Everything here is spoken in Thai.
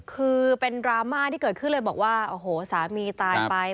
คือเป็นดราม่าที่เกิดขึ้นเลยบอกว่าโอ้โหสามีตายไป